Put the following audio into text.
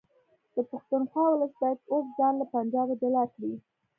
د پښتونخوا ولس باید اوس ځان له پنجابه جلا کړي